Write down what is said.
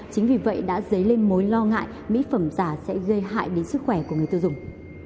chính vì vậy đã dấy lên mối lo ngại mỹ phẩm giả sẽ gây hại đến sức khỏe của người tiêu dùng